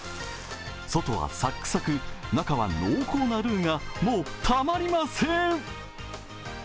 外はサックサク、中は濃厚なルーがもうたまりません。